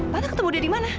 tante ketemu dia dimana